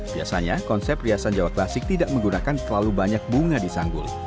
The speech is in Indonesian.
biasanya konsep riasan jawa klasik tidak menggunakan terlalu banyak bunga di sangguli